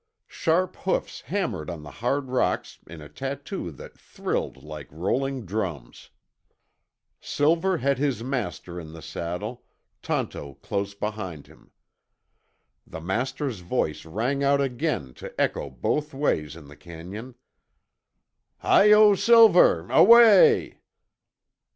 Sharp hoofs hammered on the hard rocks in a tattoo that thrilled like rolling drums. Silver had his master in the saddle, Tonto close behind him. The master's voice rang out again to echo both ways in the canyon, "Hi Yo Silver, Away y y y."